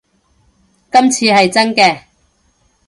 今次係真嘅